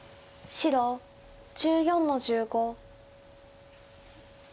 白１４の十五。